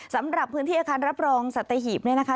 สำหรับพื้นที่อาคารรับรองสัตหีบเนี่ยนะคะ